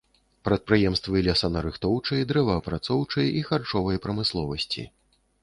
Прадпрыемствы лесанарыхтоўчай, дрэваапрацоўчай і харчовай прамысловасці.